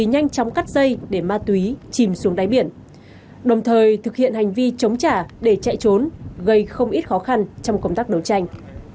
nhanh chóng cắt dây để ma túy chìm xuống đáy biển đồng thời thực hiện hành vi chống trả để chạy trốn gây không ít khó khăn trong công tác đấu tranh